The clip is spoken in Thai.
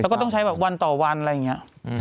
แล้วก็ต้องใช้แบบวันต่อวันอะไรอย่างนี้